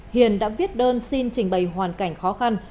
hiền đã viết đơn xin trình bày hoàn cảnh khó khăn